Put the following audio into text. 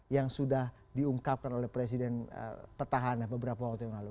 yang sudah diungkapkan oleh presiden petahana beberapa waktu yang lalu